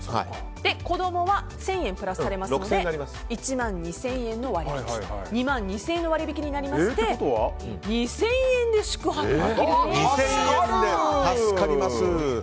子供は１０００円プラスされますので１万２０００円の割引で２万２０００円の割引になりまして２０００円で宿泊できるということになります。